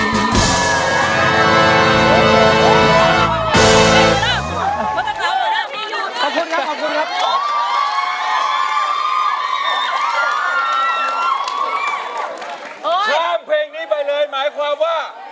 ข้ามเพลงนี้ไปเลยหมายความว่า